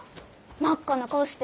真っ赤な顔して。